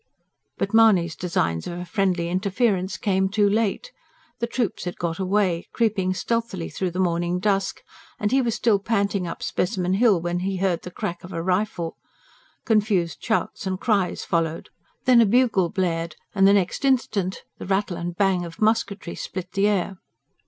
But Mahony's designs of a friendly interference came too late. The troops had got away, creeping stealthily through the morning dusk; and he was still panting up Specimen Hill when he heard the crack of a rifle. Confused shouts and cries followed. Then a bugle blared, and the next instant the rattle and bang of musketry split the air.